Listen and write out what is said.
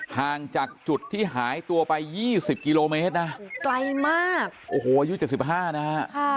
ห่างจากจุดที่หายตัวไป๒๐กิโลเมตรนะไกลมากโอ้โหอายุ๗๕นะฮะ